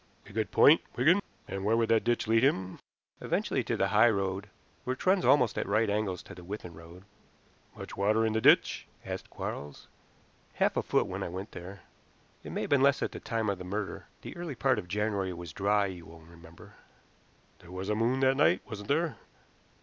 "A good point, Wigan. And where would that ditch lead him?" "Eventually to the high road, which runs almost at right angles to the Withan road." "Much water in the ditch?" asked Quarles. "Half a foot when I went there. It may have been less at the time of the murder. The early part of January was dry, you will remember." "There was a moon that night, wasn't there?"